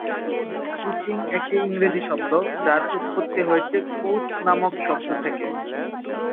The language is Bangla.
কোচিং একটি ইংরেজি শব্দ, যার উৎপত্তি হয়েছে "কোচ" নামক শব্দ থেকে।